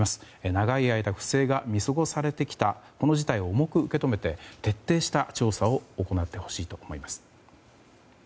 長い間不正が見過ごされてきたこの事態を重く受け止めて、徹底した調査を行ってほしいと思います。